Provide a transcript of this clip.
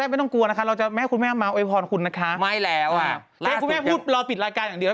ผมถามเขาเคยโอยพรคู่นี้หรือ